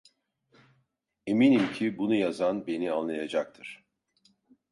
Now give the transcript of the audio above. Eminim ki bunu yazan beni anlayacaktır…